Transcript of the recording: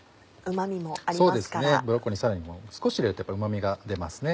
ブロッコリーにさらに少し入れるとやっぱりうまみが出ますね。